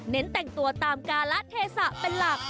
เน้นแต่งตัวตามกาลัดเทศะเป็นหลัก